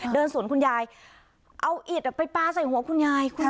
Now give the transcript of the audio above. เดินส่วนคุณยายเอาอิตไปปลาใส่หัวคุณยาย